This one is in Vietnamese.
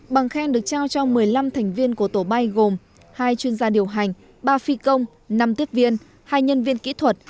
bằng khen được trao cho một mươi năm thành viên của tổ bay gồm hai chuyên gia điều hành ba phi công năm tiếp viên hai nhân viên kỹ thuật